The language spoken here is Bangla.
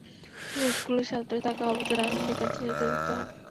তিনি স্কুলের ছাত্র থাকা অবস্থায় রাজনৈতিক কাজের সাথে যুক্ত হন।